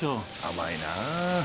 甘いな。